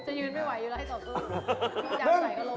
จะยืนไม่ไหวอยู่แล้วให้ต่อสู้